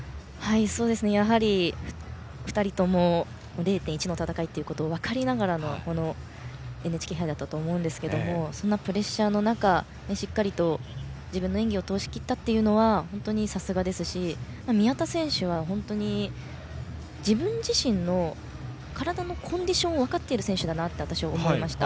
やはり２人とも０．１の戦いということを分かりながらのＮＨＫ杯だったと思うんですけどそんなプレッシャーの中しっかりと自分の演技を通しきったというのはさすがですし宮田選手は本当に自分自身の体のコンディションを分かっている選手だと私は思いました。